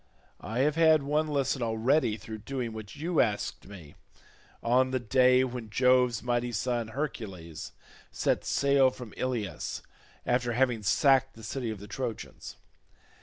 I have had one lesson already through doing what you asked me, on the day when Jove's mighty son Hercules set sail from Ilius after having sacked the city of the Trojans.